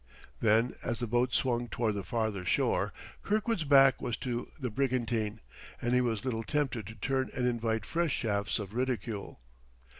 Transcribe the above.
Then, as the boat swung toward the farther shore, Kirkwood's back was to the brigantine, and he was little tempted to turn and invite fresh shafts of ridicule.